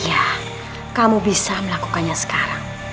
ya kamu bisa melakukannya sekarang